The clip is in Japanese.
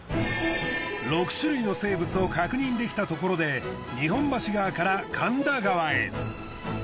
６種類の生物を確認できたところで日本橋川から神田川へ。